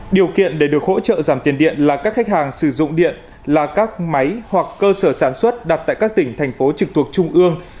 điều kiện để được hỗ trợ giảm tiền điện là các khách hàng sử dụng điện là các máy hoặc cơ sở sản xuất đặt tại các tỉnh thành phố trực thuộc trung ương